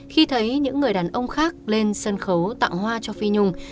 khi thấy những người đàn ông khác lên sân khấu tặng hoa cho phi nhung